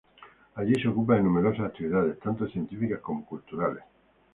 Allí, se ocupa de numerosas actividades tanto científicas como culturales.